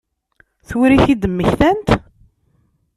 Tura i t-id-mmektant?